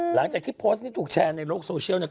หลังจากที่โพสต์นี้ถูกแชร์ในโลกโซเชียลเนี่ย